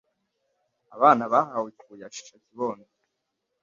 abana bahawe ifu ya shisha kibondo